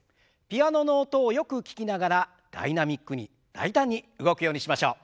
ピアノの音をよく聞きながらダイナミックに大胆に動くようにしましょう。